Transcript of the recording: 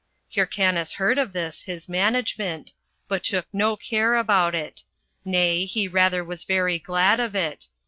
Hyrcanus heard of this his management, but took no care about it; nay, he rather was very glad of it.